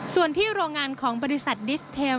ส่วนที่โรงงานของบริษัทดิสเทล